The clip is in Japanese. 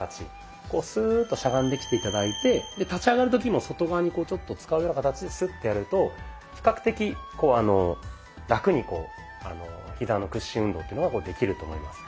こうスーッとしゃがんできて頂いて立ち上がる時も外側にこうちょっと使うような形でスッてやると比較的ラクにひざの屈伸運動っていうのができると思います。